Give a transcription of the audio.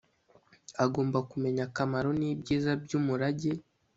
agomba kumenya akamaro n'ibyiza by'umurage